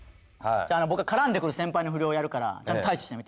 僕は絡んでくる先輩の不良をやるからちゃんと対処してみて。